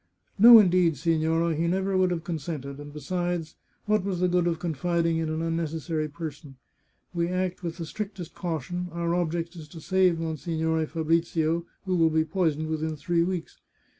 No, indeed, signorina. He never would have con sented. And besides, what was the good of confiding in an unnecessary person ? We act with the strictest caution ; our object is to save Monsignore Fabrizio, who will be poisoned within three weeks.